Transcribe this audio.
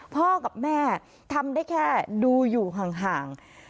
พ่อกับแม่ทำได้แค่ดูอยู่ห่าง